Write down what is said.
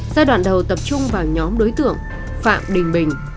giai đoạn đầu tập trung vào nhóm đối tượng phạm đình bình